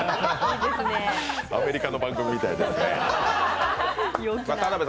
アメリカの番組みたいですね。